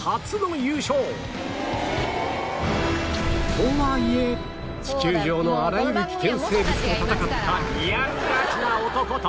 とはいえ地球上のあらゆる危険生物と戦ったリアルガチな男と